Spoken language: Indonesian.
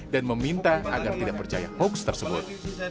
dan meminta agar tidak percaya hoaks tersebut